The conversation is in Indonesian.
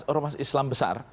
ormas islam besar